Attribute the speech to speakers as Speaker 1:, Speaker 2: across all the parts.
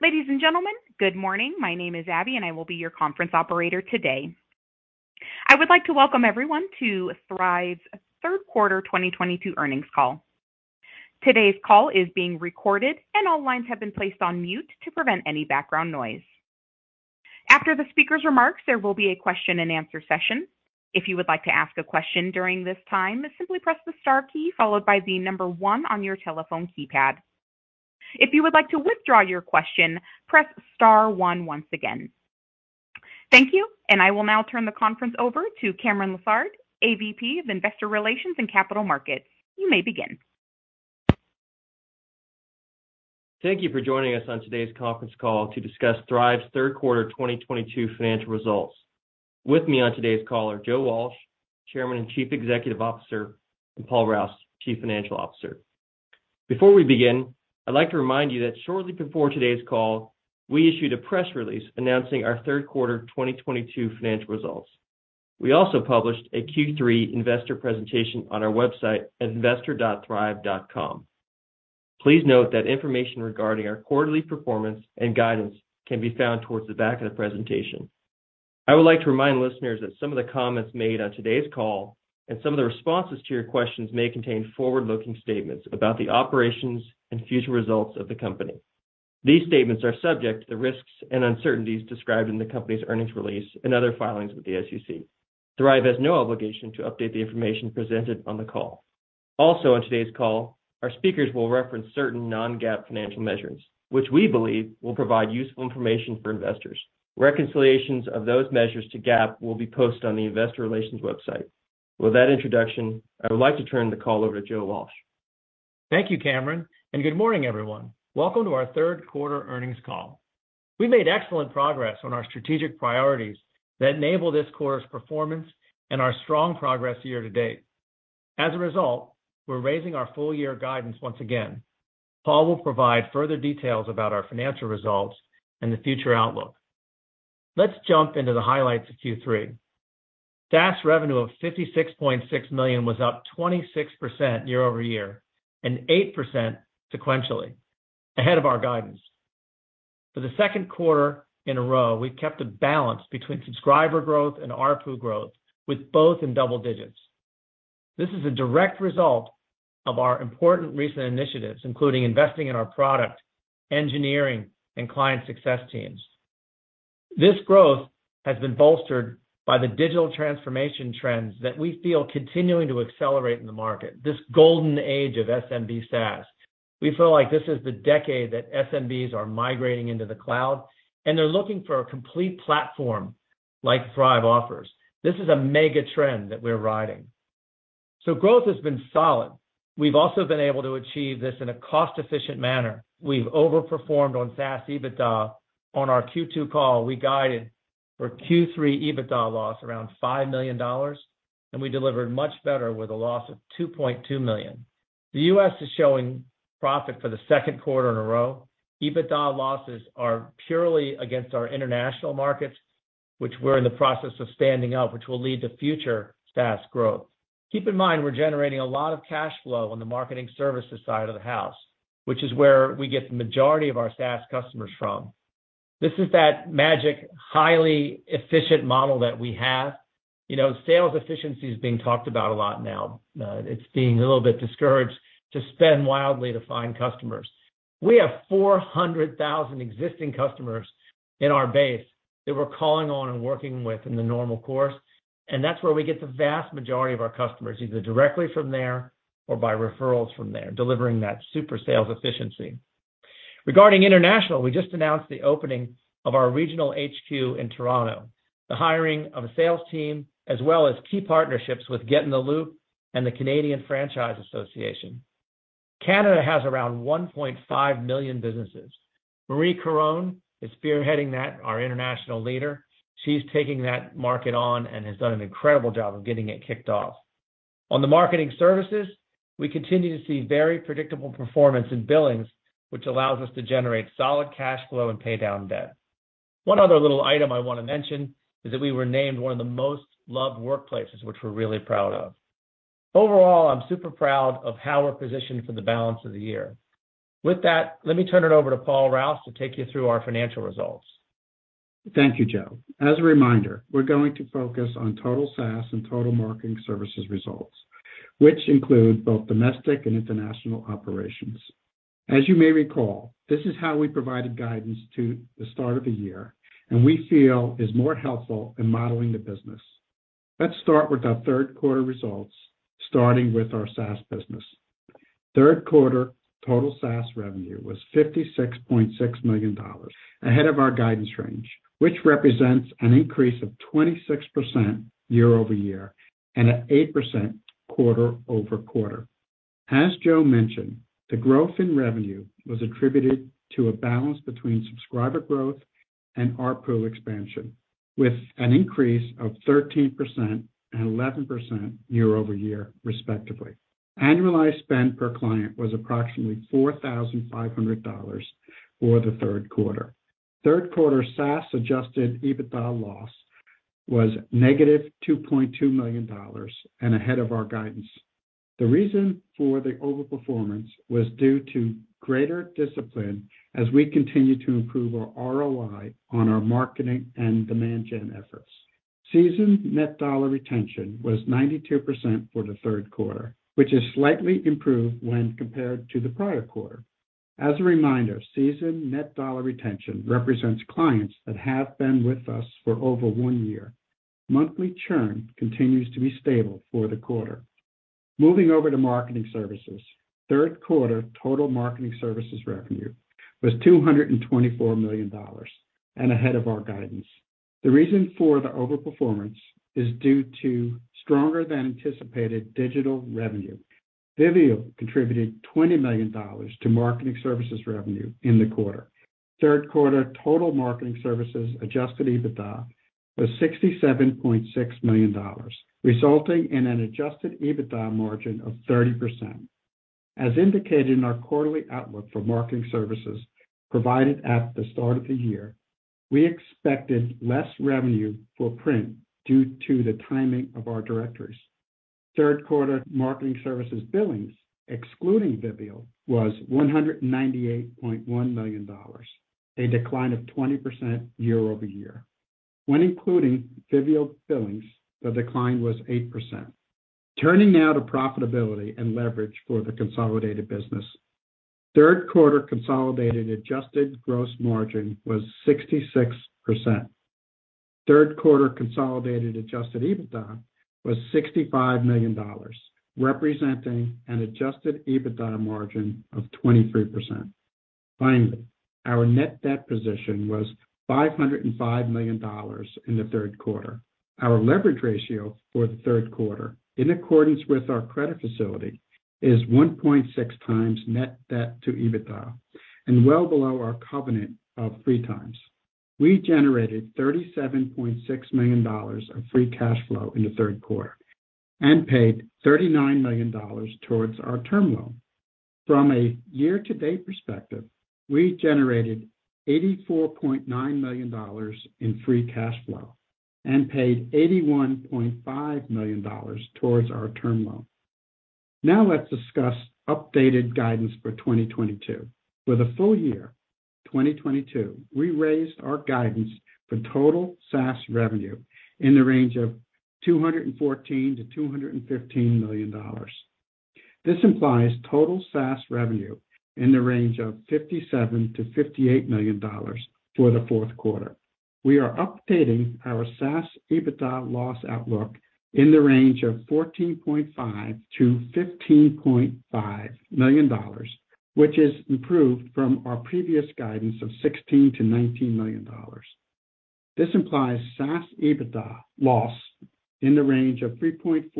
Speaker 1: Ladies and gentlemen, good morning. My name is Abby, and I will be your conference operator today. I would like to welcome everyone to Thryv's third quarter 2022 earnings call. Today's call is being recorded and all lines have been placed on mute to prevent any background noise. After the speaker's remarks, there will be a question and answer session. If you would like to ask a question during this time, simply press the star key followed by the number one on your telephone keypad. If you would like to withdraw your question, press star one once again. Thank you, and I will now turn the conference over to Cameron Lessard, AVP of Investor Relations and Capital Markets. You may begin.
Speaker 2: Thank you for joining us on today's conference call to discuss Thryv's third quarter 2022 financial results. With me on today's call are Joe Walsh, Chairman and Chief Executive Officer, and Paul Rouse, Chief Financial Officer. Before we begin, I'd like to remind you that shortly before today's call, we issued a press release announcing our third quarter 2022 financial results. We also published a Q3 investor presentation on our website at investor.thryv.com. Please note that information regarding our quarterly performance and guidance can be found towards the back of the presentation. I would like to remind listeners that some of the comments made on today's call and some of the responses to your questions may contain forward-looking statements about the operations and future results of the company. These statements are subject to the risks and uncertainties described in the company's earnings release and other filings with the SEC. Thryv has no obligation to update the information presented on the call. Also on today's call, our speakers will reference certain non-GAAP financial measures, which we believe will provide useful information for investors. Reconciliations of those measures to GAAP will be posted on the Investor Relations website. With that introduction, I would like to turn the call over to Joe Walsh.
Speaker 3: Thank you, Cameron, and good morning, everyone. Welcome to our third quarter earnings call. We made excellent progress on our strategic priorities that enable this quarter's performance and our strong progress year to date. As a result, we're raising our full-year guidance once again. Paul will provide further details about our financial results and the future outlook. Let's jump into the highlights of Q3. SaaS revenue of $56.6 million was up 26% year-over-year and 8% sequentially, ahead of our guidance. For the second quarter in a row, we kept a balance between subscriber growth and ARPU growth, with both in double digits. This is a direct result of our important recent initiatives, including investing in our product, engineering, and client success teams. This growth has been bolstered by the digital transformation trends that we feel continuing to accelerate in the market, this golden age of SMB SaaS. We feel like this is the decade that SMBs are migrating into the cloud, and they're looking for a complete platform like Thryv offers. This is a mega trend that we're riding. Growth has been solid. We've also been able to achieve this in a cost-efficient manner. We've overperformed on SaaS EBITDA. On our Q2 call, we guided for Q3 EBITDA loss around $5 million, and we delivered much better with a loss of $2.2 million. The U.S. is showing profit for the second quarter in a row. EBITDA losses are purely against our international markets, which we're in the process of standing up, which will lead to future SaaS growth. Keep in mind, we're generating a lot of cash flow on the marketing services side of the house, which is where we get the majority of our SaaS customers from. This is that magic, highly efficient model that we have. You know, sales efficiency is being talked about a lot now. It's being a little bit discouraged to spend wildly to find customers. We have 400,000 existing customers in our base that we're calling on and working with in the normal course, and that's where we get the vast majority of our customers, either directly from there or by referrals from there, delivering that super sales efficiency. Regarding international, we just announced the opening of our regional HQ in Toronto, the hiring of a sales team, as well as key partnerships with GetintheLoop and the Canadian Franchise Association. Canada has around 1.5 million businesses. Marie Caron is spearheading that, our international leader. She's taking that market on and has done an incredible job of getting it kicked off. On the marketing services, we continue to see very predictable performance in billings, which allows us to generate solid cash flow and pay down debt. One other little item I wanna mention is that we were named one of the most loved workplaces, which we're really proud of. Overall, I'm super proud of how we're positioned for the balance of the year. With that, let me turn it over to Paul Rouse to take you through our financial results.
Speaker 4: Thank you, Joe. As a reminder, we're going to focus on total SaaS and total marketing services results, which include both domestic and international operations. As you may recall, this is how we provided guidance to the start of the year and we feel is more helpful in modeling the business. Let's start with our third quarter results, starting with our SaaS business. Third quarter total SaaS revenue was $56.6 million, ahead of our guidance range, which represents an increase of 26% year-over-year and 8% quarter-over-quarter. As Joe mentioned, the growth in revenue was attributed to a balance between subscriber growth and ARPU expansion, with an increase of 13% and 11% year-over-year, respectively. Annualized spend per client was approximately $4,500 for the third quarter. Third quarter SaaS adjusted EBITDA loss was -$2.2 million and ahead of our guidance. The reason for the over-performance was due to greater discipline as we continue to improve our ROI on our marketing and demand gen efforts. Seasoned net dollar retention was 92% for the third quarter, which is slightly improved when compared to the prior quarter. As a reminder, seasoned net dollar retention represents clients that have been with us for over one year. Monthly churn continues to be stable for the quarter. Moving over to marketing services. Third quarter total marketing services revenue was $224 million and ahead of our guidance. The reason for the over-performance is due to stronger than anticipated digital revenue. Vivial contributed $20 million to marketing services revenue in the quarter. Third quarter total marketing services adjusted EBITDA was $67.6 million, resulting in an adjusted EBITDA margin of 30%. As indicated in our quarterly outlook for marketing services provided at the start of the year, we expected less revenue for print due to the timing of our directories. Third quarter marketing services billings, excluding Vivial, was $198.1 million, a decline of 20% year-over-year. When including Vivial billings, the decline was 8%. Turning now to profitability and leverage for the consolidated business. Third quarter consolidated adjusted gross margin was 66%. Third quarter consolidated adjusted EBITDA was $65 million, representing an adjusted EBITDA margin of 23%. Finally, our net debt position was $505 million in the third quarter. Our leverage ratio for the third quarter, in accordance with our credit facility, is 1.6x net debt to EBITDA and well below our covenant of 3x. We generated $37.6 million of free cash flow in the third quarter and paid $39 million towards our term loan. From a year-to-date perspective, we generated $84.9 million in free cash flow and paid $81.5 million towards our term loan. Now let's discuss updated guidance for 2022. For the full-year 2022, we raised our guidance for total SaaS revenue in the range of $214 million-$215 million. This implies total SaaS revenue in the range of $57 million-$58 million for the fourth quarter. We are updating our SaaS EBITDA loss outlook in the range of $14.5 million-$15.5 million, which is improved from our previous guidance of $16 million-$19 million. This implies SaaS EBITDA loss in the range of $3.4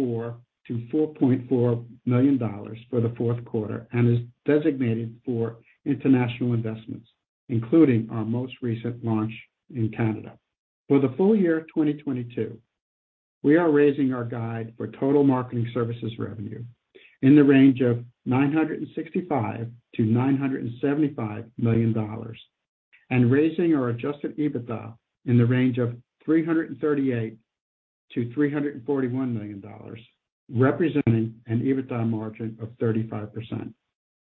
Speaker 4: million-$4.4 million for the fourth quarter and is designated for international investments, including our most recent launch in Canada. For the full-year 2022, we are raising our guide for total marketing services revenue in the range of $965 million-$975 million and raising our adjusted EBITDA in the range of $338 million-$341 million, representing an EBITDA margin of 35%.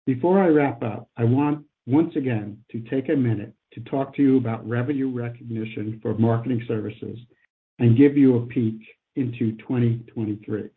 Speaker 4: Before I wrap up, I want once again to take a minute to talk to you about revenue recognition for marketing services and give you a peek into 2023.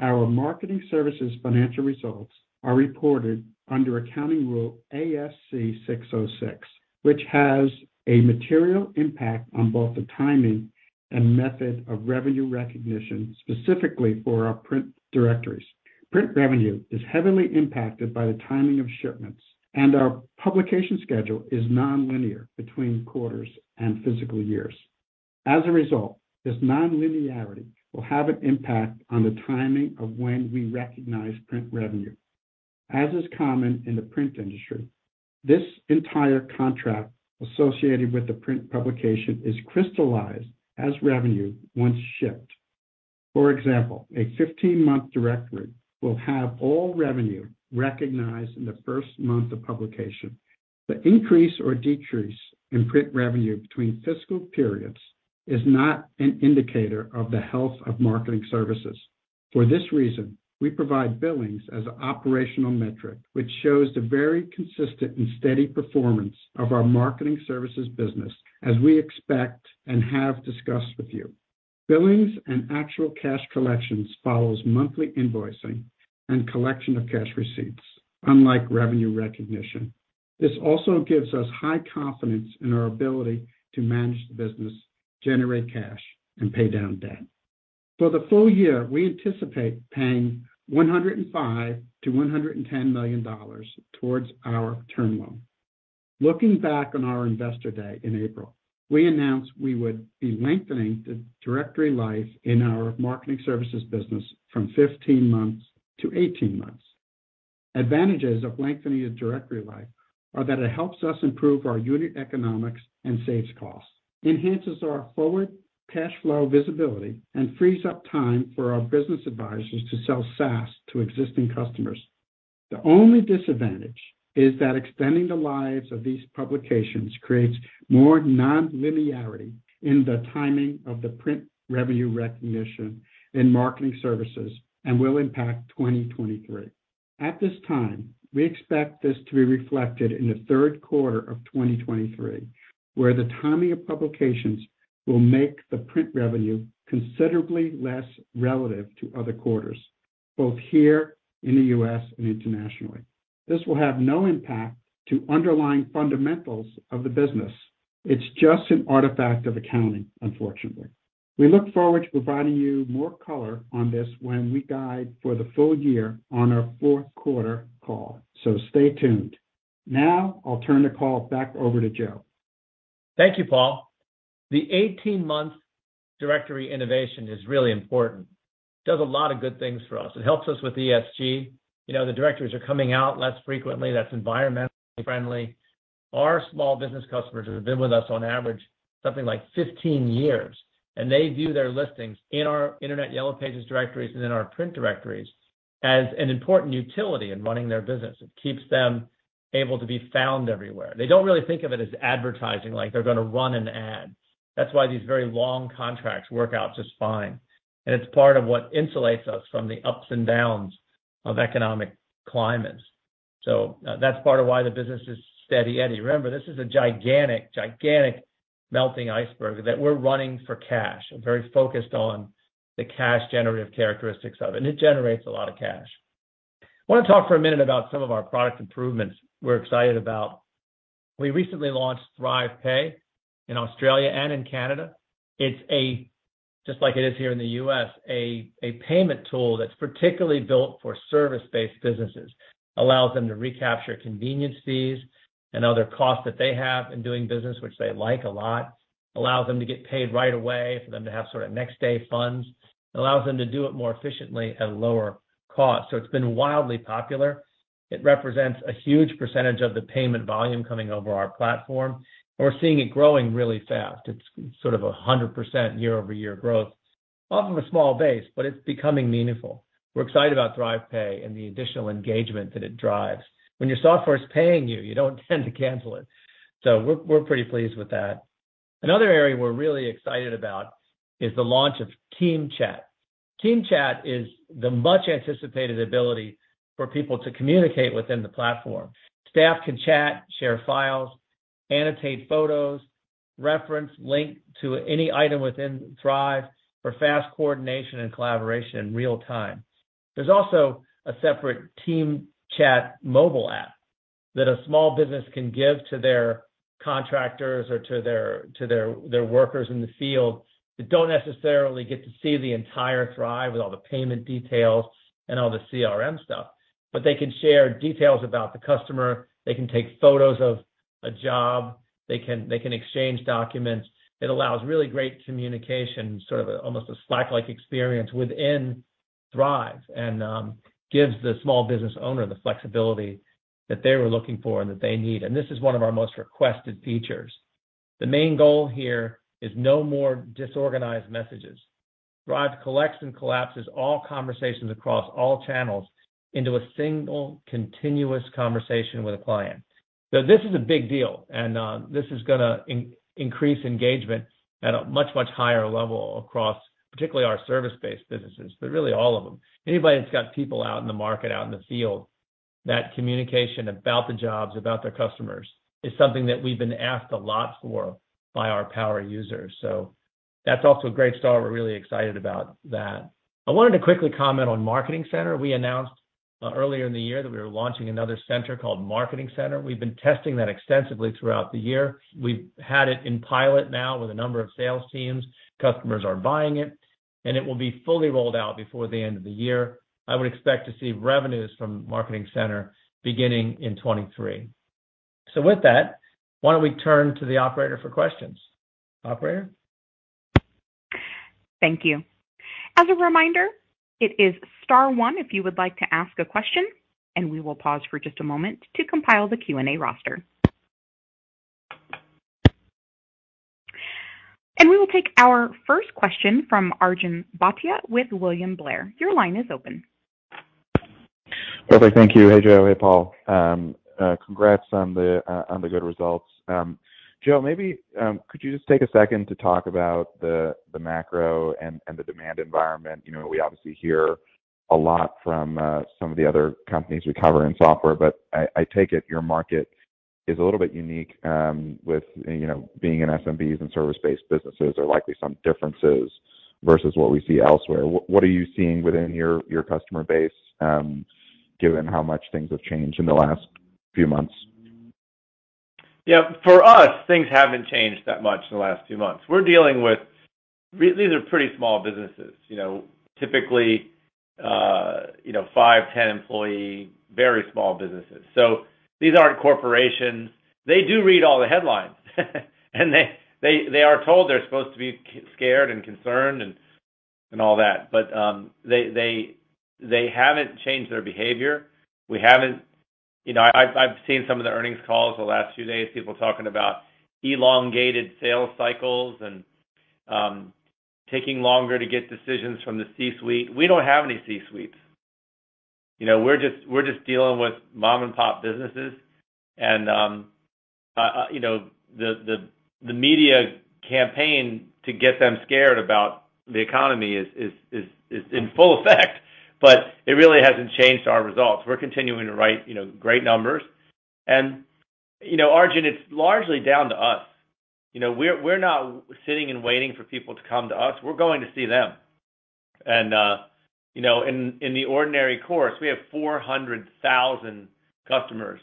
Speaker 4: Our marketing services financial results are reported under accounting rule ASC 606, which has a material impact on both the timing and method of revenue recognition, specifically for our print directories. Print revenue is heavily impacted by the timing of shipments, and our publication schedule is non-linear between quarters and fiscal years. As a result, this non-linearity will have an impact on the timing of when we recognize print revenue. As is common in the print industry, this entire contract associated with the print publication is crystallized as revenue once shipped. For example, a 15-month directory will have all revenue recognized in the first month of publication. The increase or decrease in print revenue between fiscal periods is not an indicator of the health of marketing services. For this reason, we provide billings as an operational metric, which shows the very consistent and steady performance of our marketing services business, as we expect and have discussed with you. Billings and actual cash collections follows monthly invoicing and collection of cash receipts, unlike revenue recognition. This also gives us high confidence in our ability to manage the business, generate cash, and pay down debt. For the full-year, we anticipate paying $105 million-$110 million towards our term loan. Looking back on our investor day in April, we announced we would be lengthening the directory life in our marketing services business from 15 months to 18 months. Advantages of lengthening the directory life are that it helps us improve our unit economics and saves costs, enhances our forward cash flow visibility, and frees up time for our business advisors to sell SaaS to existing customers. The only disadvantage is that extending the lives of these publications creates more non-linearity in the timing of the print revenue recognition and marketing services and will impact 2023. At this time, we expect this to be reflected in the third quarter of 2023, where the timing of publications will make the print revenue considerably less relative to other quarters, both here in the U.S. and internationally. This will have no impact to underlying fundamentals of the business. It's just an artifact of accounting, unfortunately. We look forward to providing you more color on this when we guide for the full-year on our fourth quarter call. Stay tuned. Now I'll turn the call back over to Joe.
Speaker 3: Thank you, Paul. The 18-month directory innovation is really important. Does a lot of good things for us. It helps us with ESG. You know, the directories are coming out less frequently. That's environmentally friendly. Our small business customers have been with us on average, something like 15 years, and they view their listings in our Internet Yellow Pages directories and in our print directories as an important utility in running their business. It keeps them able to be found everywhere. They don't really think of it as advertising, like they're gonna run an ad. That's why these very long contracts work out just fine, and it's part of what insulates us from the ups and downs of economic climates. That's part of why the business is Steady Eddy. Remember, this is a gigantic melting iceberg that we're running for cash and very focused on the cash generative characteristics of it, and it generates a lot of cash. I want to talk for a minute about some of our product improvements we're excited about. We recently launched ThryvPay in Australia and in Canada. It's just like it is here in the U.S., a payment tool that's particularly built for service-based businesses. Allows them to recapture convenience fees and other costs that they have in doing business, which they like a lot. Allows them to get paid right away for them to have sort of next day funds. It allows them to do it more efficiently at a lower cost. It's been wildly popular. It represents a huge percentage of the payment volume coming over our platform, and we're seeing it growing really fast. It's sort of 100% year-over-year growth. Off of a small base, but it's becoming meaningful. We're excited about ThryvPay and the additional engagement that it drives. When your software is paying you don't tend to cancel it, so we're pretty pleased with that. Another area we're really excited about is the launch of TeamChat. TeamChat is the much anticipated ability for people to communicate within the platform. Staff can chat, share files, annotate photos, reference link to any item within Thryv for fast coordination and collaboration in real time. There's also a separate TeamChat mobile app that a small business can give to their contractors or to their workers in the field that don't necessarily get to see the entire Thryv with all the payment details and all the CRM stuff. They can share details about the customer. They can take photos of a job. They can exchange documents. It allows really great communication, sort of almost a Slack-like experience within Thryv and gives the small business owner the flexibility that they were looking for and that they need. This is one of our most requested features. The main goal here is no more disorganized messages. Thryv collects and collapses all conversations across all channels into a single continuous conversation with a client. This is a big deal, and this is gonna increase engagement at a much higher level across particularly our service-based businesses, but really all of them. Anybody that's got people out in the market, out in the field, that communication about the jobs, about their customers, is something that we've been asked a lot for by our power users. That's also a great start. We're really excited about that. I wanted to quickly comment on Marketing Center. We announced earlier in the year that we were launching another center called Marketing Center. We've been testing that extensively throughout the year. We've had it in pilot now with a number of sales teams. Customers are buying it, and it will be fully rolled out before the end of the year. I would expect to see revenues from Marketing Center beginning in 2023. With that, why don't we turn to the operator for questions? Operator?
Speaker 1: Thank you. As a reminder, it is star one if you would like to ask a question, and we will pause for just a moment to compile the Q&A roster. We will take our first question from Arjun Bhatia with William Blair. Your line is open.
Speaker 5: Perfect. Thank you. Hey, Joe. Hey, Paul. Congrats on the good results. Joe, maybe could you just take a second to talk about the macro and the demand environment? You know, we obviously hear a lot from some of the other companies we cover in software, but I take it your market is a little bit unique, with you know, being in SMBs and service-based businesses are likely some differences versus what we see elsewhere. What are you seeing within your customer base, given how much things have changed in the last few months?
Speaker 3: Yeah. For us, things haven't changed that much in the last few months. These are pretty small businesses. You know, typically, you know, five to 10 employee, very small businesses. So these aren't corporations. They do read all the headlines, and they are told they're supposed to be scared and concerned and all that. They haven't changed their behavior. We haven't You know, I've seen some of the earnings calls the last few days, people talking about elongated sales cycles and taking longer to get decisions from the C-suite. We don't have any C-suites. You know, we're just dealing with mom-and-pop businesses and you know, the media campaign to get them scared about the economy is in full effect, but it really hasn't changed our results. We're continuing to write you know, great numbers. You know, Arjun, it's largely down to us. You know, we're not sitting and waiting for people to come to us, we're going to see them. You know, in the ordinary course, we have 400,000 customers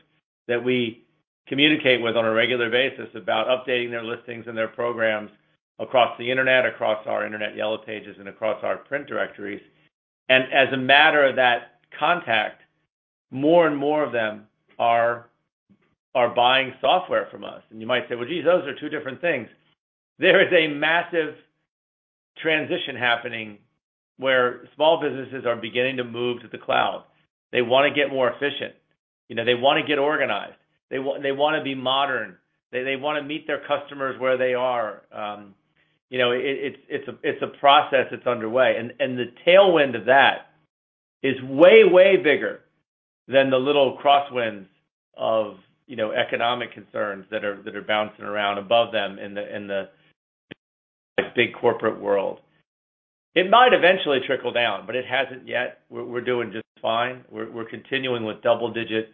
Speaker 3: that we communicate with on a regular basis about updating their listings and their programs across the internet, across our Internet Yellow Pages, and across our print directories. As a matter of that contact, more and more of them are buying software from us. You might say, "Well, geez, those are two different things." There is a massive transition happening where small businesses are beginning to move to the cloud. They wanna get more efficient. You know, they wanna get organized. They wanna be modern. They wanna meet their customers where they are. You know, it's a process that's underway. The tailwind of that is way bigger than the little crosswinds of, you know, economic concerns that are bouncing around above them in the big corporate world. It might eventually trickle down, but it hasn't yet. We're doing just fine. We're continuing with double-digit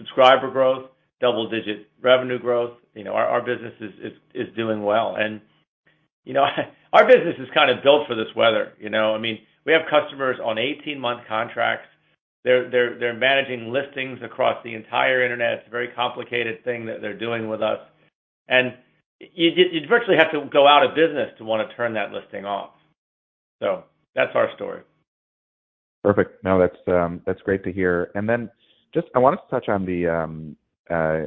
Speaker 3: subscriber growth, double-digit revenue growth. You know, our business is doing well. You know, our business is kind of built for this weather, you know? I mean, we have customers on 18-month contracts. They're managing listings across the entire Internet. It's a very complicated thing that they're doing with us. You'd virtually have to go out of business to wanna turn that listing off. That's our story.
Speaker 5: Perfect. No, that's great to hear. Just I wanted to touch on the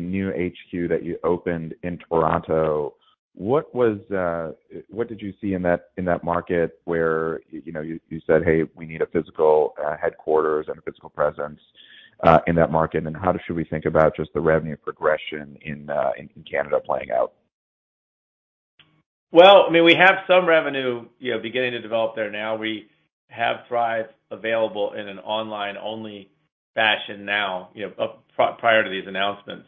Speaker 5: new HQ that you opened in Toronto. What did you see in that market where you know you said, "Hey, we need a physical headquarters and a physical presence in that market"? How should we think about just the revenue progression in Canada playing out?
Speaker 3: Well, I mean, we have some revenue, you know, beginning to develop there now. We have Thryv available in an online-only fashion now, you know, prior to these announcements.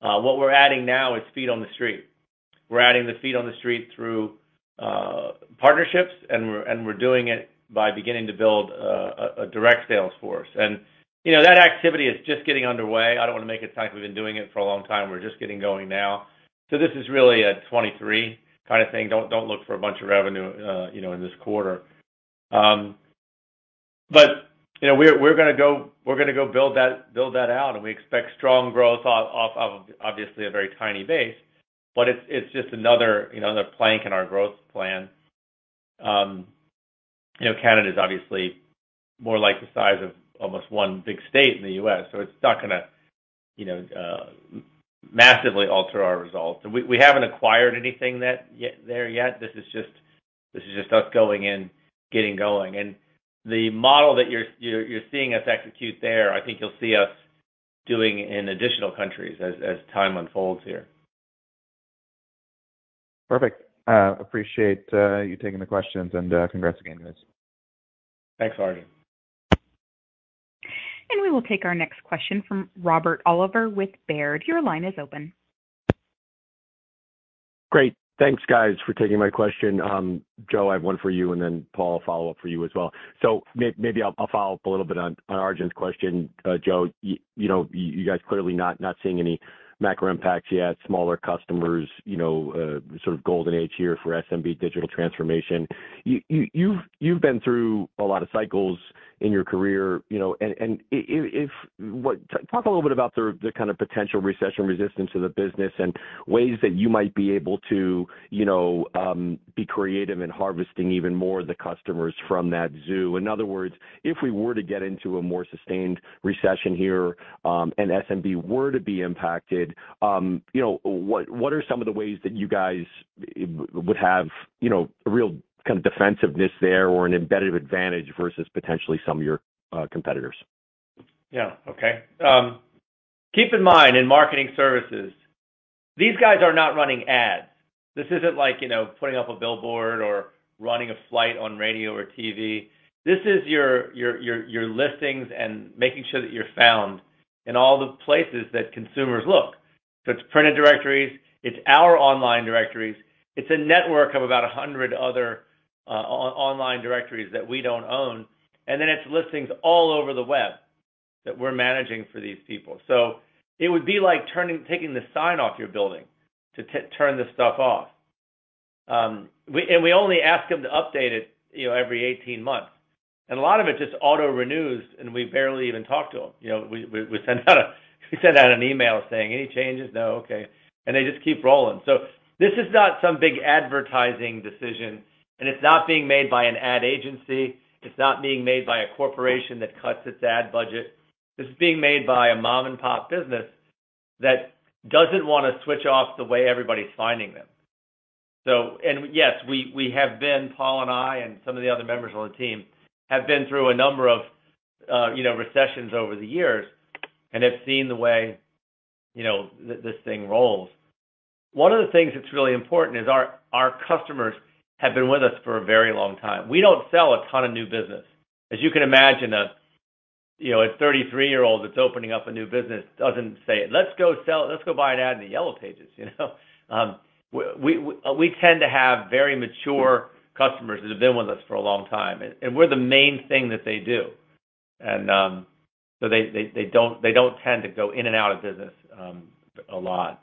Speaker 3: What we're adding now is feet on the street. We're adding the feet on the street through partnerships, and we're doing it by beginning to build a direct sales force. You know, that activity is just getting underway. I don't wanna make it sound like we've been doing it for a long time. We're just getting going now. This is really a 2023 kind of thing. Don't look for a bunch of revenue, you know, in this quarter. You know, we're gonna go build that out, and we expect strong growth off of obviously a very tiny base, but it's just another, you know, another plank in our growth plan. You know, Canada is obviously more like the size of almost one big state in the U.S., so it's not gonna, you know, massively alter our results. We haven't acquired anything there yet. This is just us going in, getting going. The model that you're seeing us execute there, I think you'll see us doing in additional countries as time unfolds here.
Speaker 5: Perfect. Appreciate you taking the questions and congrats again, guys.
Speaker 3: Thanks, Arjun.
Speaker 1: We will take our next question from Robert Oliver with Baird. Your line is open.
Speaker 6: Great. Thanks, guys, for taking my question. Joe, I have one for you, and then Paul, a follow-up for you as well. Maybe I'll follow up a little bit on Arjun's question. Joe, you know, you guys clearly not seeing any macro impacts yet. Smaller customers, you know, sort of golden age here for SMB digital transformation. You've been through a lot of cycles in your career, you know. Talk a little bit about the kind of potential recession resistance of the business and ways that you might be able to, you know, be creative in harvesting even more of the customers from that zoo. In other words, if we were to get into a more sustained recession here, and SMB were to be impacted, you know, what are some of the ways that you guys would have, you know, a real kind of defensiveness there or an embedded advantage versus potentially some of your competitors?
Speaker 3: Yeah. Okay. Keep in mind, in marketing services, these guys are not running ads. This isn't like, you know, putting up a billboard or running a flight on radio or TV. This is your listings and making sure that you're found in all the places that consumers look. It's printed directories, it's our online directories, it's a network of about 100 other online directories that we don't own, and then it's listings all over the web that we're managing for these people. It would be like taking the sign off your building to turn this stuff off. We only ask them to update it, you know, every 18 months. A lot of it just auto-renews, and we barely even talk to them. You know, we send out an email saying, "Any changes? No? Okay." They just keep rolling. This is not some big advertising decision, and it's not being made by an ad agency. It's not being made by a corporation that cuts its ad budget. This is being made by a mom-and-pop business that doesn't wanna switch off the way everybody's finding them. Yes, we have been, Paul and I, and some of the other members of the team, through a number of, you know, recessions over the years, and have seen the way, you know, this thing rolls. One of the things that's really important is our customers have been with us for a very long time. We don't sell a ton of new business. As you can imagine, you know, a 33-year-old that's opening up a new business doesn't say, "Let's go buy an ad in the Yellow Pages," you know? We tend to have very mature customers that have been with us for a long time, and we're the main thing that they do. They don't tend to go in and out of business a lot.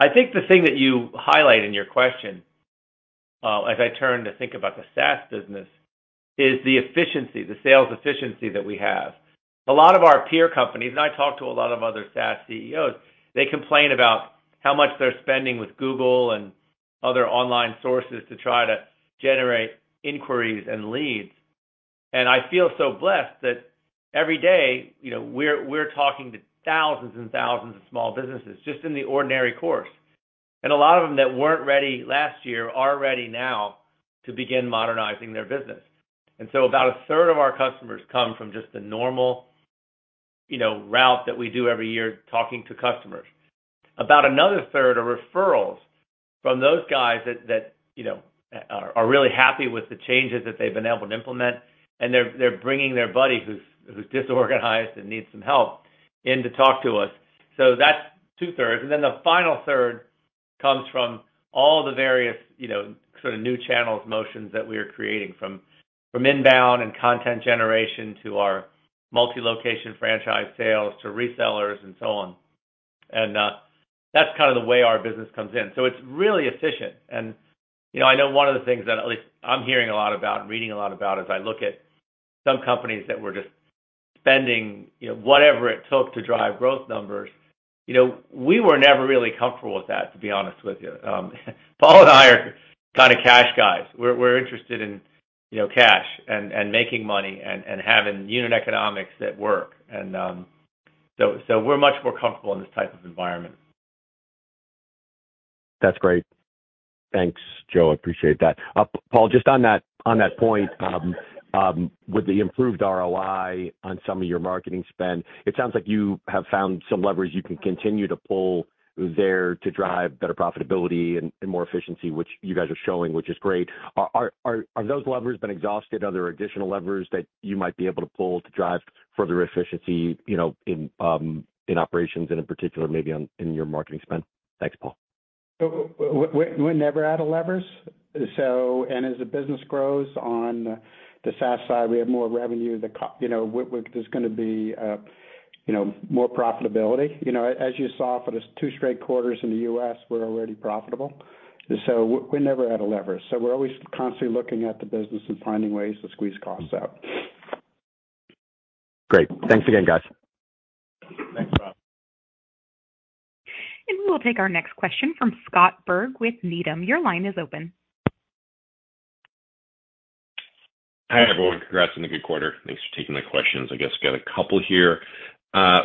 Speaker 3: I think the thing that you highlight in your question, as I turn to think about the SaaS business, is the efficiency, the sales efficiency that we have. A lot of our peer companies, and I talk to a lot of other SaaS CEOs, they complain about how much they're spending with Google and other online sources to try to generate inquiries and leads. I feel so blessed that every day, you know, we're talking to thousands and thousands of small businesses just in the ordinary course. A lot of them that weren't ready last year are ready now to begin modernizing their business. About a third of our customers come from just the normal, you know, route that we do every year talking to customers. About another third are referrals from those guys that, you know, are really happy with the changes that they've been able to implement, and they're bringing their buddy who's disorganized and needs some help in to talk to us. That's 2/3. Then the final third comes from all the various, you know, sort of new channels motions that we are creating, from inbound and content generation to our multi-location franchise sales to resellers and so on. That's kind of the way our business comes in. It's really efficient. You know, I know one of the things that at least I'm hearing a lot about and reading a lot about as I look at some companies that were just spending, you know, whatever it took to drive growth numbers, you know, we were never really comfortable with that, to be honest with you. Paul and I are kinda cash guys. We're interested in, you know, cash and making money and having unit economics that work. We're much more comfortable in this type of environment.
Speaker 6: That's great. Thanks, Joe. I appreciate that. Paul, just on that point, with the improved ROI on some of your marketing spend, it sounds like you have found some leverage you can continue to pull there to drive better profitability and more efficiency, which you guys are showing, which is great. Are those levers been exhausted? Are there additional levers that you might be able to pull to drive further efficiency, you know, in operations and in particular maybe in your marketing spend? Thanks, Paul.
Speaker 4: We're never out of levers. As the business grows on the SaaS side, we have more revenue. You know, there's gonna be, you know, more profitability. You know, as you saw for the two straight quarters in the U.S., we're already profitable. We're never out of levers. We're always constantly looking at the business and finding ways to squeeze costs out.
Speaker 6: Great. Thanks again, guys.
Speaker 3: Thanks, Rob.
Speaker 1: We will take our next question from Scott Berg with Needham. Your line is open.
Speaker 7: Hi, everyone. Congrats on the good quarter. Thanks for taking the questions. I guess I've got a couple here.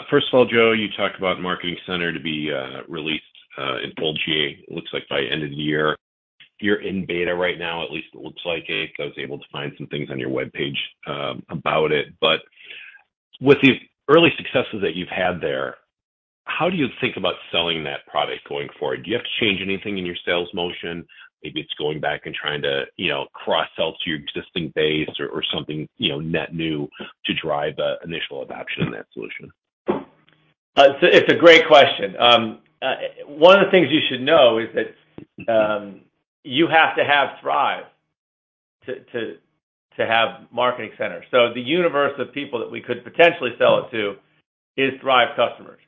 Speaker 7: First of all, Joe, you talked about Marketing Center to be released in full GA, looks like by end of the year. You're in beta right now, at least it looks like it. I was able to find some things on your webpage about it. With the early successes that you've had there, how do you think about selling that product going forward? Do you have to change anything in your sales motion? Maybe it's going back and trying to, you know, cross-sell to your existing base or something, you know, net new to drive initial adoption of that solution.
Speaker 3: It's a great question. One of the things you should know is that you have to have Thryv to have Marketing Center. The universe of people that we could potentially sell it to is Thryv customers.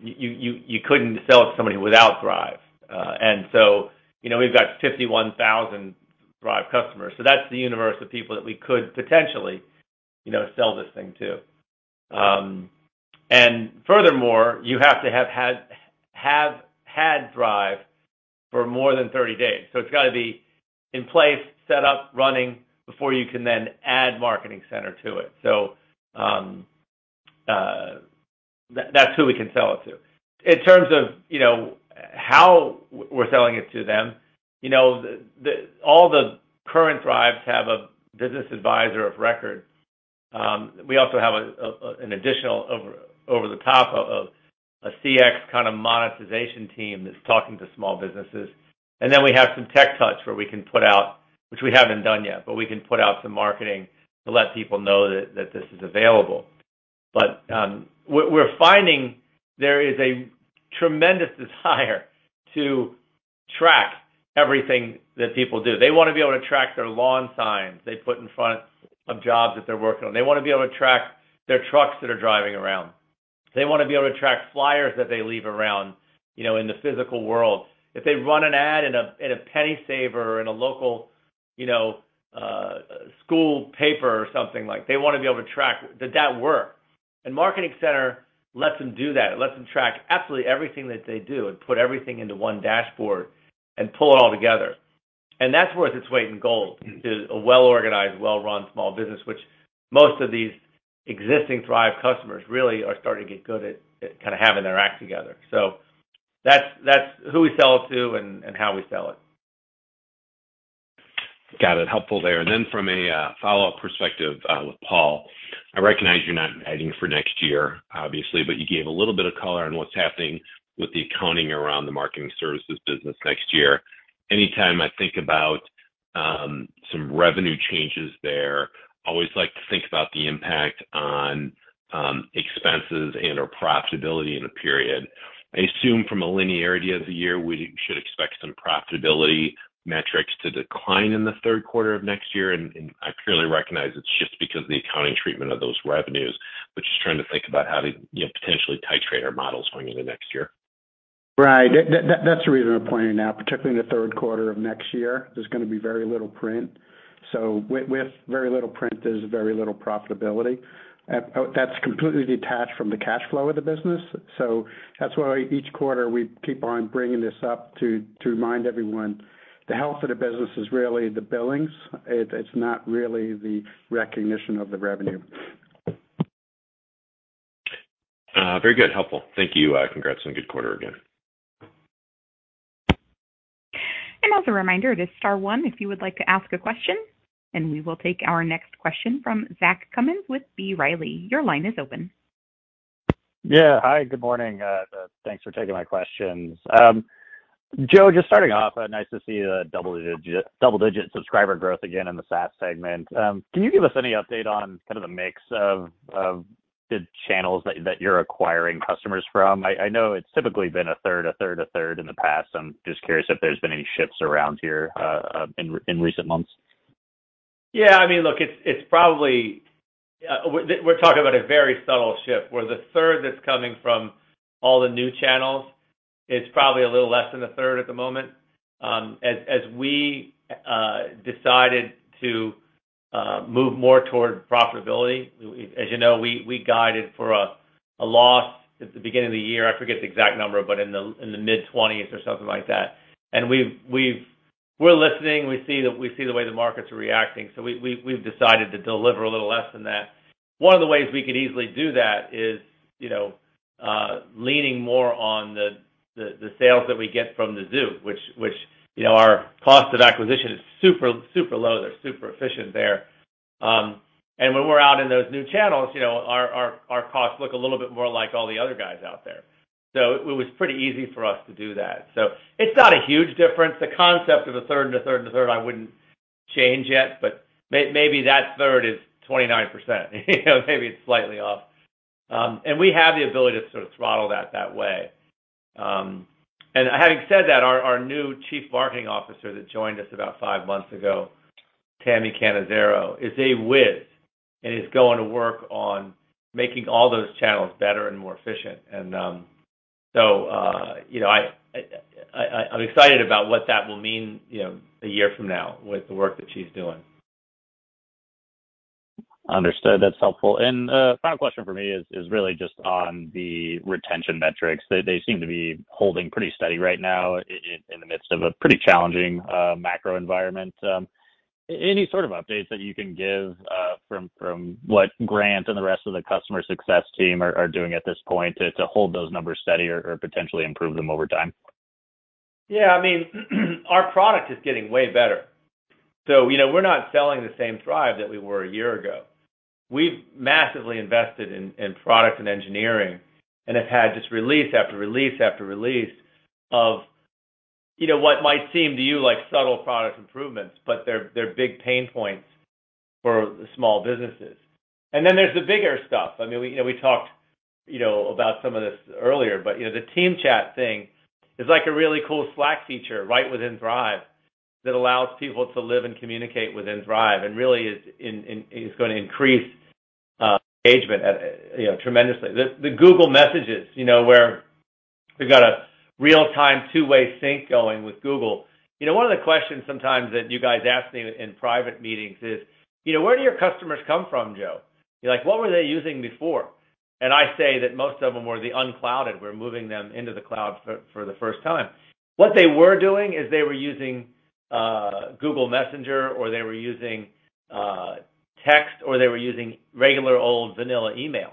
Speaker 3: You couldn't sell it to somebody without Thryv. And so, you know, we've got 51,000 Thryv customers. That's the universe of people that we could potentially, you know, sell this thing to. And furthermore, you have to have had Thryv for more than 30 days. It's gotta be in place, set up, running before you can then add Marketing Center to it. That's who we can sell it to. In terms of, you know, how we're selling it to them, you know, all the current Thryv's have a business advisor of record. We have an additional over-the-top CX kind of monetization team that's talking to small businesses. Then we have some tech touch where we can put out, which we haven't done yet, but we can put out some marketing to let people know that this is available. What we're finding, there is a tremendous desire to track everything that people do. They wanna be able to track their lawn signs they put in front of jobs that they're working on. They wanna be able to track their trucks that are driving around. They wanna be able to track flyers that they leave around, you know, in the physical world. If they run an ad in a PennySaver or in a local, you know, school paper or something like, they wanna be able to track did that work. Marketing Center lets them do that. It lets them track absolutely everything that they do and put everything into one dashboard and pull it all together. That's worth its weight in gold to a well-organized, well-run small business, which most of these existing Thryv customers really are starting to get good at kind of having their act together. That's who we sell it to and how we sell it.
Speaker 7: Got it. Helpful there. From a follow-up perspective with Paul. I recognize you're not guiding for next year, obviously, but you gave a little bit of color on what's happening with the accounting around the marketing services business next year. Anytime I think about some revenue changes there, always like to think about the impact on expenses and/or profitability in a period. I assume from a linearity of the year, we should expect some profitability metrics to decline in the third quarter of next year, and I clearly recognize it's just because of the accounting treatment of those revenues. Just trying to think about how to, you know, potentially titrate our models going into next year.
Speaker 4: Right. That's the reason we're pointing it out now, particularly in the third quarter of next year, there's gonna be very little print. With very little print, there's very little profitability. That's completely detached from the cash flow of the business. That's why each quarter we keep on bringing this up to remind everyone the health of the business is really the billings. It's not really the recognition of the revenue.
Speaker 7: Very good. Helpful. Thank you. Congrats on a good quarter again.
Speaker 1: As a reminder, it is star one if you would like to ask a question, and we will take our next question from Zach Cummins with B. Riley. Your line is open.
Speaker 8: Yeah. Hi, good morning. Thanks for taking my questions. Joe, just starting off, nice to see double-digit subscriber growth again in the SaaS segment. Can you give us any update on kind of the mix of the channels that you're acquiring customers from? I know it's typically been a third, a third, a third in the past. I'm just curious if there's been any shifts around here in recent months.
Speaker 3: Yeah, I mean, look, it's probably. We're talking about a very subtle shift where the third that's coming from all the new channels is probably a little less than a third at the moment. As we decided to move more toward profitability, as you know, we guided for a loss at the beginning of the year. I forget the exact number, but in the mid-20s or something like that. We're listening. We see the way the markets are reacting, so we've decided to deliver a little less than that. One of the ways we could easily do that is, you know, leaning more on the sales that we get from the zoo, which, you know, our cost of acquisition is super low. They're super efficient there. When we're out in those new channels, you know, our costs look a little bit more like all the other guys out there. It was pretty easy for us to do that. It's not a huge difference. The concept of a third and a third and a third, I wouldn't change yet, but maybe that third is 29%, you know, maybe it's slightly off. We have the ability to sort of throttle that way. Having said that, our new Chief Marketing Officer that joined us about five months ago, Tami Cannizzaro, is a whiz and is going to work on making all those channels better and more efficient. I'm excited about what that will mean, you know, a year from now with the work that she's doing.
Speaker 8: Understood. That's helpful. Final question for me is really just on the retention metrics. They seem to be holding pretty steady right now in the midst of a pretty challenging macro environment. Any sort of updates that you can give from what Grant and the rest of the customer success team are doing at this point to hold those numbers steady or potentially improve them over time?
Speaker 3: Yeah, I mean, our product is getting way better. You know, we're not selling the same Thryv that we were a year ago. We've massively invested in product and engineering and have had just release after release after release of, you know, what might seem to you like subtle product improvements, but they're big pain points for small businesses. Then there's the bigger stuff. I mean, we, you know, we talked, you know, about some of this earlier, but, you know, the TeamChat thing is like a really cool Slack feature right within Thryv that allows people to live and communicate within Thryv and really is gonna increase engagement, you know, tremendously. The Google Messages, you know, where we've got a real-time two-way sync going with Google. You know, one of the questions sometimes that you guys ask me in private meetings is, you know, "Where do your customers come from, Joe?" You're like, "What were they using before?" And I say that most of them were the unclouded. We're moving them into the cloud for the first time. What they were doing is they were using Google Messages, or they were using text, or they were using regular old vanilla email.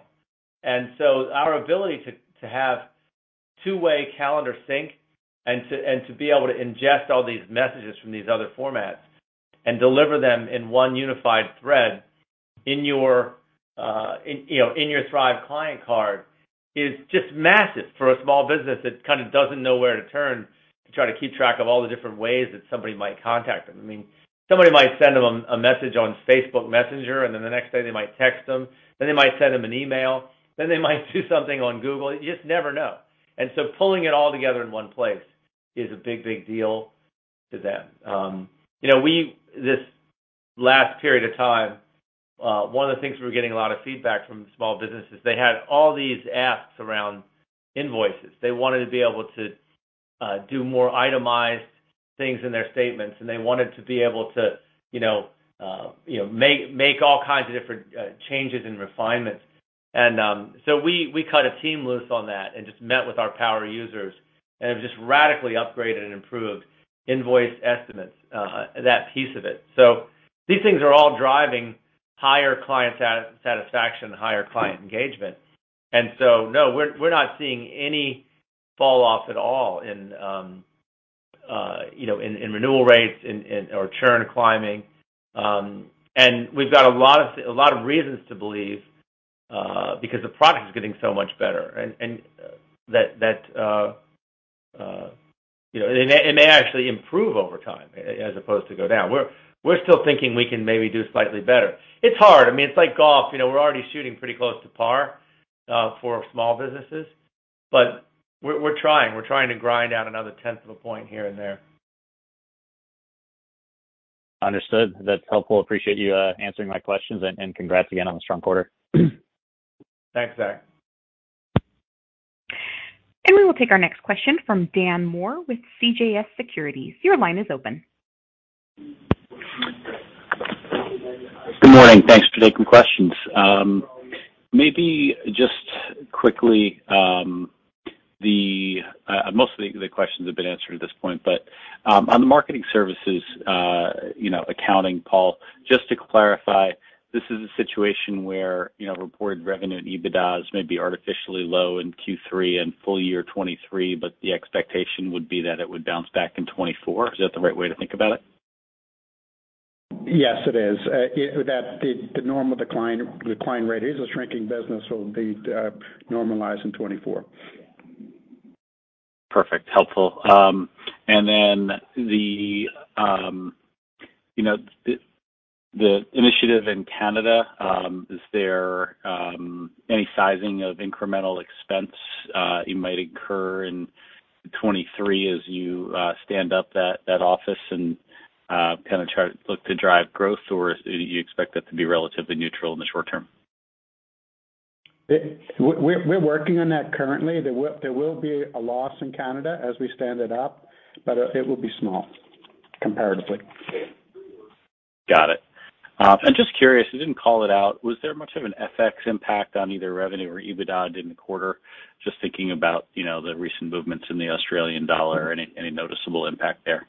Speaker 3: And so our ability to have two-way calendar sync and to be able to ingest all these messages from these other formats and deliver them in one unified thread in your, you know, in your Thryv client card is just massive for a small business that kind of doesn't know where to turn to try to keep track of all the different ways that somebody might contact them. I mean, somebody might send them a message on Facebook Messenger, and then the next day they might text them, then they might send them an email, then they might do something on Google. You just never know. Pulling it all together in one place is a big, big deal to them. You know, this last period of time, one of the things we were getting a lot of feedback from small businesses, they had all these asks around invoices. They wanted to be able to do more itemized things in their statements, and they wanted to be able to, you know, you know, make all kinds of different changes and refinements. We cut a team loose on that and just met with our power users, and it just radically upgraded and improved invoice estimates that piece of it. These things are all driving higher client satisfaction, higher client engagement. No, we're not seeing any fall off at all in you know, in renewal rates or churn climbing. We've got a lot of reasons to believe because the product is getting so much better and that you know, it may actually improve over time as opposed to go down. We're still thinking we can maybe do slightly better. It's hard. I mean, it's like golf, you know, we're already shooting pretty close to par, for small businesses, but we're trying to grind out another tenth of a point here and there.
Speaker 8: Understood. That's helpful. Appreciate you answering my questions, and congrats again on the strong quarter.
Speaker 3: Thanks, Zach.
Speaker 1: We will take our next question from Dan Moore with CJS Securities. Your line is open.
Speaker 9: Good morning. Thanks for taking questions. Maybe just quickly, most of the questions have been answered at this point, but on the Marketing Services, you know, accounting, Paul, just to clarify, this is a situation where, you know, reported revenue and EBITDA is maybe artificially low in Q3 and full-year 2023, but the expectation would be that it would bounce back in 2024. Is that the right way to think about it?
Speaker 4: Yes, it is. That the normal decline rate is a shrinking business will be normalized in 2024.
Speaker 9: Perfect. Helpful. You know, the initiative in Canada, is there any sizing of incremental expense you might incur in 2023 as you stand up that office and kinda try to look to drive growth, or do you expect that to be relatively neutral in the short term?
Speaker 4: We're working on that currently. There will be a loss in Canada as we stand it up, but it will be small comparatively.
Speaker 9: Got it. Just curious, you didn't call it out, was there much of an FX impact on either revenue or EBITDA in the quarter? Just thinking about, you know, the recent movements in the Australian dollar. Any noticeable impact there?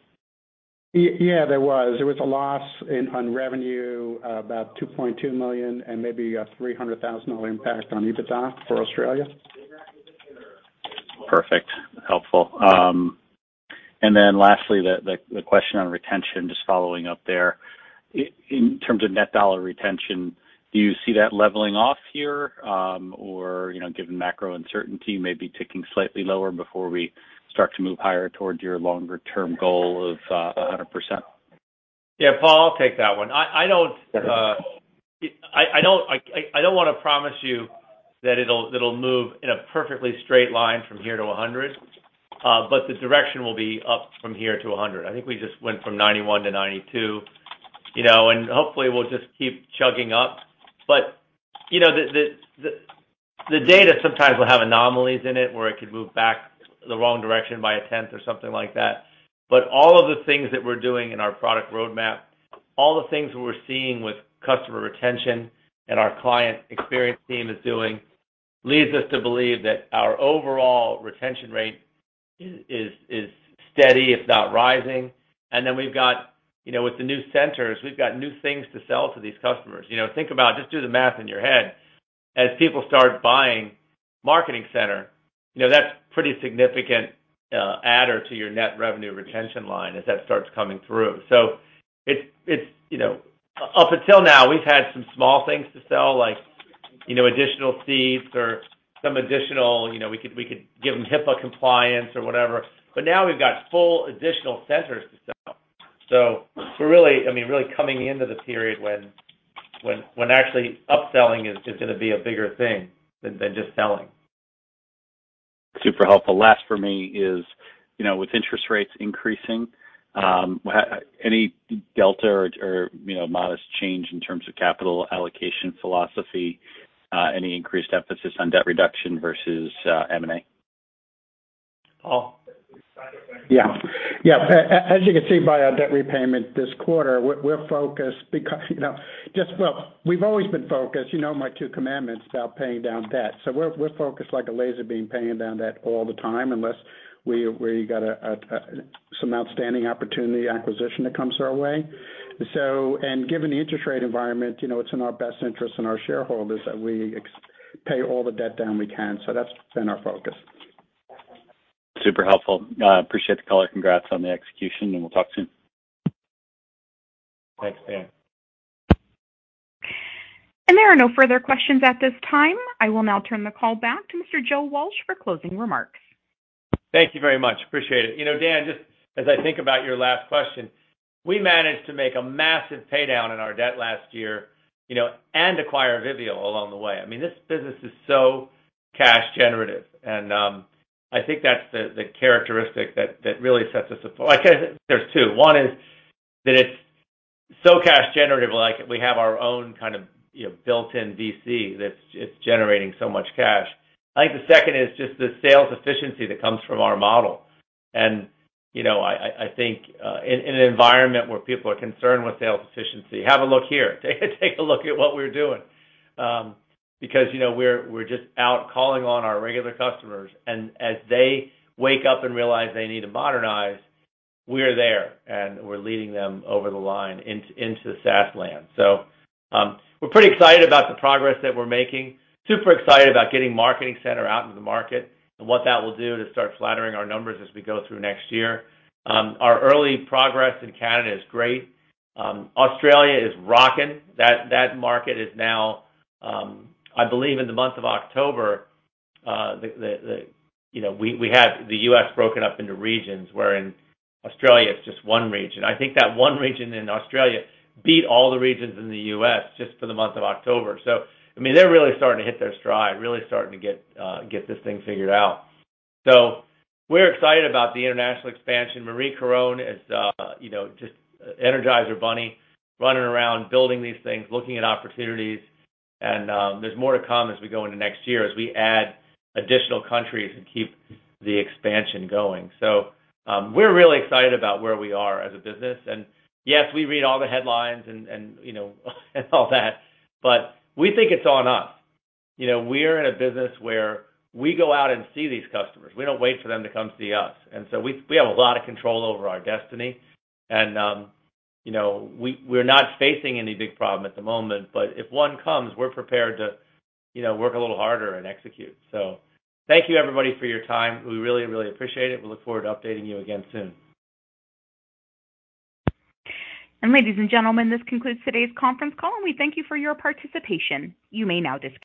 Speaker 4: Yeah, there was a loss on revenue, about 2.2 million and maybe a 300,000 dollar impact on EBITDA for Australia.
Speaker 9: Perfect. Helpful. Lastly, the question on retention, just following up there. In terms of net dollar retention, do you see that leveling off here, or, you know, given macro uncertainty, maybe ticking slightly lower before we start to move higher towards your longer-term goal of 100%?
Speaker 3: Yeah, Paul, I'll take that one. I don't wanna promise you that it'll move in a perfectly straight line from here to 100%, but the direction will be up from here to 100%. I think we just went from 91%-92%, you know, and hopefully we'll just keep chugging up. You know, the data sometimes will have anomalies in it, where it could move back the wrong direction by 0.1% or something like that. All of the things that we're doing in our product roadmap, all the things we're seeing with customer retention and our client experience team is doing, leads us to believe that our overall retention rate is steady, if not rising. Then we've got, you know, with the new centers, we've got new things to sell to these customers. You know, think about it, just do the math in your head. As people start buying Marketing Center, you know, that's pretty significant adder to your net revenue retention line as that starts coming through. It's, you know, up until now, we've had some small things to sell, like, you know, additional seats or some additional, you know, we could give them HIPAA compliance or whatever. Now we've got full additional centers to sell. We're really, I mean, really coming into the period when actually upselling is gonna be a bigger thing than just selling.
Speaker 9: Super helpful. Last for me is, you know, with interest rates increasing, any delta or, you know, modest change in terms of capital allocation philosophy, any increased emphasis on debt reduction versus, M&A?
Speaker 3: Paul?
Speaker 4: Yeah. Yeah. As you can see by our debt repayment this quarter, we're focused, you know, just, well, we've always been focused. You know my two commandments about paying down debt. We're focused like a laser beam paying down debt all the time, unless we got some outstanding opportunity acquisition that comes our way. Given the interest rate environment, you know, it's in our best interest and our shareholders that we pay all the debt down we can. That's been our focus.
Speaker 9: Super helpful. Appreciate the call. Congrats on the execution, and we'll talk soon.
Speaker 3: Thanks, Dan.
Speaker 1: There are no further questions at this time. I will now turn the call back to Mr. Joe Walsh for closing remarks.
Speaker 3: Thank you very much. Appreciate it. You know, Dan, just as I think about your last question, we managed to make a massive paydown in our debt last year, you know, and acquire Vivial along the way. I mean, this business is so cash generative, and I think that's the characteristic that really sets us apart. I'd say there's two. One is that it's so cash generative, like we have our own kind of, you know, built-in VC that's it's generating so much cash. I think the second is just the sales efficiency that comes from our model. You know, I think in an environment where people are concerned with sales efficiency, have a look here. Take a look at what we're doing. Because you know, we're just out calling on our regular customers, and as they wake up and realize they need to modernize, we're there, and we're leading them over the line into the SaaS land. We're pretty excited about the progress that we're making. Super excited about getting Marketing Center out into the market and what that will do to start flattening our numbers as we go through next year. Our early progress in Canada is great. Australia is rocking. That market is now, I believe in the month of October, you know, we had the U.S. broken up into regions, where in Australia it's just one region. I think that one region in Australia beat all the regions in the U.S. just for the month of October. I mean, they're really starting to hit their stride, really starting to get this thing figured out. We're excited about the international expansion. Marie Caron is, you know, just Energizer Bunny, running around, building these things, looking at opportunities. There's more to come as we go into next year as we add additional countries and keep the expansion going. We're really excited about where we are as a business. Yes, we read all the headlines and, you know, and all that, but we think it's on us. You know, we're in a business where we go out and see these customers. We don't wait for them to come see us. We have a lot of control over our destiny. You know, we're not facing any big problem at the moment, but if one comes, we're prepared to, you know, work a little harder and execute. Thank you everybody for your time. We really, really appreciate it. We look forward to updating you again soon.
Speaker 1: Ladies and gentlemen, this concludes today's conference call, and we thank you for your participation. You may now disconnect.